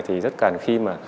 thì rất cần khi mà